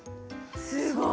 すごい。